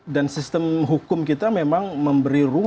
dan sistem hukum kita memang memberi rupiah